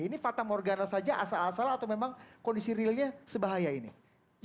ini fata morgana saja asal asal atau memang kondisi realnya sebahaya ini